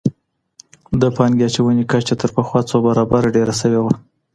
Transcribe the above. د پانګې اچونې کچه تر پخوا څو برابره ډېره سوي وه.